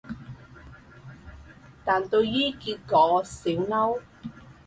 但對於結果少嬲